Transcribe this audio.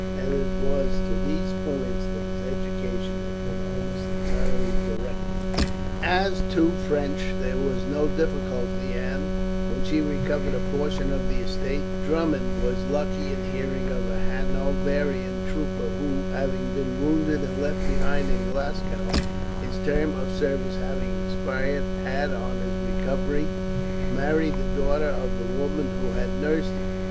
And it was to these points that his education had been almost entirely directed. As to French there was no difficulty and, when she recovered a portion of the estate, Maggie Drummond was lucky in hearing of a Hanoverian trooper who, having been wounded and left behind in Glasgow, his term of service having expired, had on his recovery married the daughter of the woman who had nursed him.